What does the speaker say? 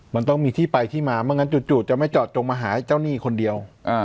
มันต้องมีที่ไปที่มาไม่งั้นจู่จะไม่จอดจงมาหาเจ้าหนี้คนเดียว